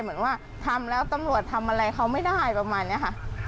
เหมือนว่าทำแล้วตำรวจทำอะไรเขาไม่ได้ประมาณนี้ค่ะ